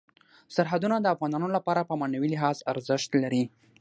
سرحدونه د افغانانو لپاره په معنوي لحاظ ارزښت لري.